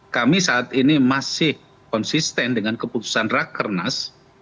kami saat ini masih konsisten dengan keputusan rak kernas